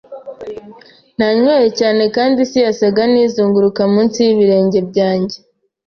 Nanyweye cyane kandi isi yasaga nkizunguruka munsi y'ibirenge byanjye.